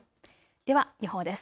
では予報です。